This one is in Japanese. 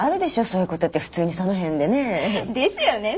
そういうことって普通にその辺でね。ですよね。